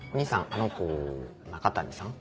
あの子中谷さん？